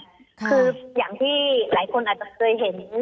คืออย่างที่หลายคนอาจจะเคยเห็น